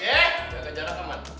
jangan kejar lah teman